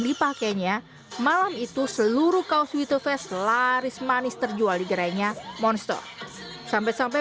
dipakainya malam itu seluruh kaos with the fast laris manis terjual digerainya monster sampai sampai